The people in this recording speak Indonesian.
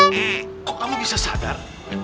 kok kamu bisa sadar